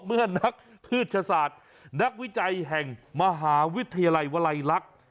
เมื่อนักพืชศาสตร์นักวิจัยแห่งมหาวิทยาลัยวลัยลักษณ์